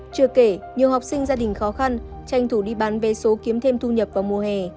chưa kể nhiều học sinh gia đình khó khăn tranh thủ đi bán vé số kiếm thêm thu nhập vào mùa hè